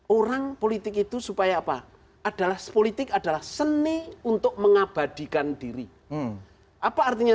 orang politik itu supaya apa adalah politik adalah seni untuk mengabadikan diri apa artinya